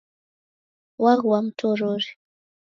Waghua mtorori.